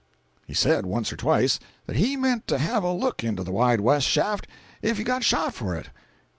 He said once or twice that he meant to have a look into the Wide West shaft if he got shot for it.